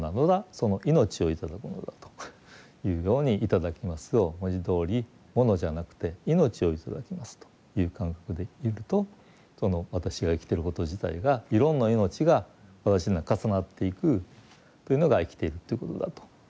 その命を頂くのだというように「いただきます」を文字どおりものじゃなくて命を頂きますという感覚でいるとその私が生きてること自体がいろんな命が私の中重なっていくというのが生きているということだと。